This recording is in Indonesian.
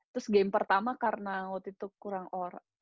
terus game pertama karena waktu itu kurang ora